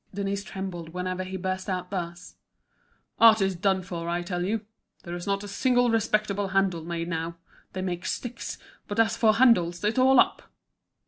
Denise trembled whenever he burst out thus: "Art is done for, I tell you! There's not a single respectable handle made now. They make sticks, but as for handles, it's all up!